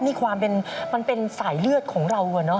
นี่ความเป็นมันเป็นสายเลือดของเราอะเนาะ